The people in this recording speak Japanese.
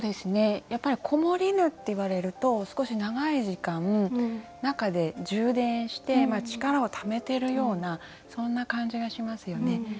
やっぱり「こもりぬ」って言われると少し長い時間中で充電して力をためてるようなそんな感じがしますよね。